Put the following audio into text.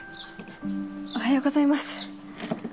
おはようございます。